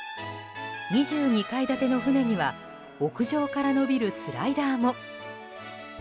２２階建ての船には屋上から延びるスライダーも。